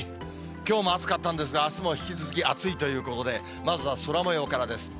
きょうも暑かったんですが、あすも引き続き暑いということで、まずは空もようからです。